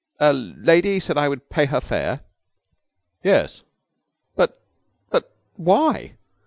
'A lady said I would pay her fare?' 'Yes.' 'But but why?'